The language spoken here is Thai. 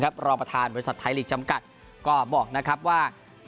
รองประธานบริษัทไทยลีกจำกัดก็บอกนะครับว่า